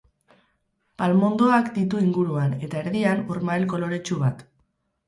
Palmondoak ditu inguruan, eta, erdian, urmael koloretsu bat.